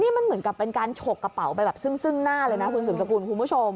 มันเหมือนกับเป็นการฉกกระเป๋าไปแบบซึ่งหน้าเลยนะคุณสืบสกุลคุณผู้ชม